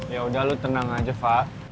yaudah lu tenang aja fah